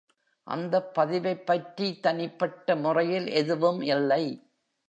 அந்த பதிவைப் பற்றி தனிப்பட்ட முறையில் எதுவும் இல்லை.